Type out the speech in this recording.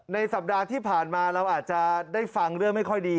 สัปดาห์ที่ผ่านมาเราอาจจะได้ฟังเรื่องไม่ค่อยดี